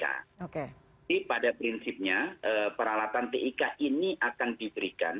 jadi pada prinsipnya peralatan tik ini akan diberikan